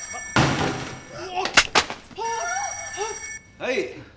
はい。